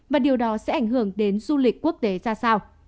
và điều đó sẽ ảnh hưởng đến du lịch quốc tế ra sao